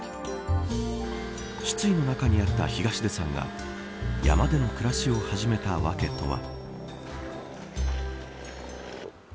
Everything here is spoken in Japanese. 失意の中にあった東出さんが山での暮らしを始めた訳とは。